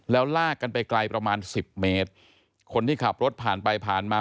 แล้วลากกันไปไกลประมาณสิบเมตรคนที่ขับรถผ่านไปผ่านมา